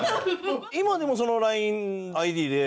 今でもそのＬＩＮＥＩＤで？